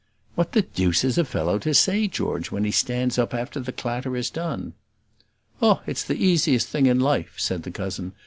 "What the deuce is a fellow to say, George, when he stands up after the clatter is done?" "Oh, it's the easiest thing in life," said the cousin.